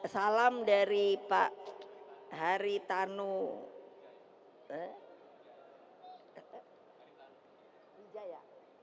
salam dari pak haritanu wijaya